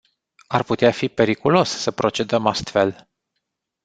Ar putea fi periculos să procedăm astfel.